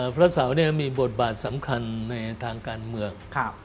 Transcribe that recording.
พระเศรษฐศัพท์มีบทบาทสำคัญในทางการเมือง